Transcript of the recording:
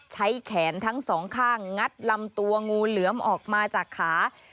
ใช้แขนทั้งสองข้างงัดลำตัวงูเหลือมออกมาจากขา